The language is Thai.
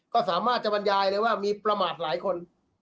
ก็สามารถจะบรรยายเลยว่ามีประมาทหลายคน